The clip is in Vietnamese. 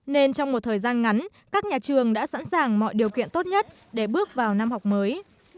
nên trong một thời gian ngắn các nhà trường đã sẵn sàng mọi điều kiện tốt nhất để bước vào năm học mới